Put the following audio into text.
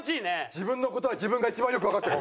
自分の事は自分が一番よくわかってる。